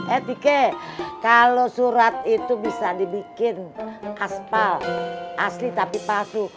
eh tike kalau surat itu bisa dibikin asfal asli tapi pasu